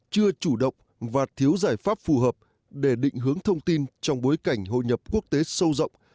chưa chủ động và thiếu giải pháp phù hợp để định hướng thông tin trong bối cảnh hội nhập quốc tế sâu rộng